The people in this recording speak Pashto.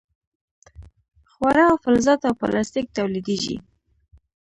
خواړه او فلزات او پلاستیک تولیدیږي.